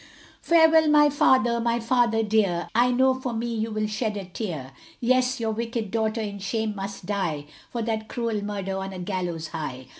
Farewell my father, my father dear, I know for me you will shed a tear, Yes, your wicked daughter in shame must die, For that cruel murder on a gallows high.